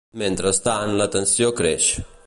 Mentrestant, la tensió creix.